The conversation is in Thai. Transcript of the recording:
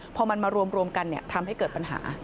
พอมันมารวมกันทำให้เกิดปัญหา